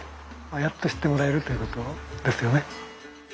やっと知ってもらえるということですよね。